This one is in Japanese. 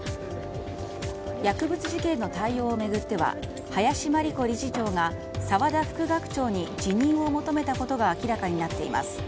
薬物事件の対応を巡っては林真理子理事長が沢田副学長に辞任を求めたことが明らかになっています。